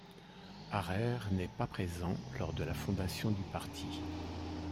Harrer n'est pas présent lors de la fondation du parti.